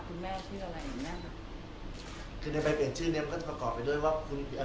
คุณแม่ชื่ออะไรแม่ครับคือในใบเปลี่ยนชื่อเนี้ยมันก็ประกอบไปด้วยว่าคุณอ่า